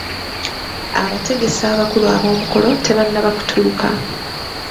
Abategesi abakulu ab'omukolo tebannaba kutuuka.